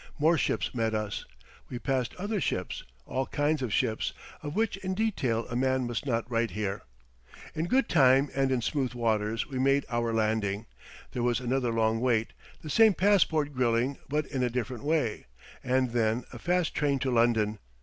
More ships met us. We passed other ships all kinds of ships, of which in detail a man must not write here. In good time and in smooth waters we made our landing. There was another long wait, the same passport grilling, but in a different way, and then a fast train to London.